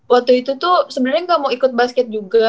waktu itu tuh sebenernya nggak mau ikut basket juga